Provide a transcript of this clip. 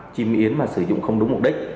chim yến mà sử dụng không đúng mục đích